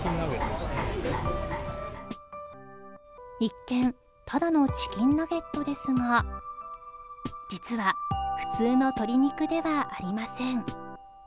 一見ただのチキンナゲットですが実は普通の鶏肉ではありません